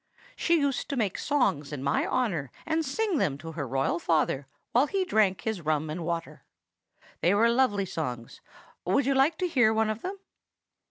She used to make songs in my honor, and sing them to her royal father while he drank his rum and water. They were lovely songs. Would you like to hear one of them?"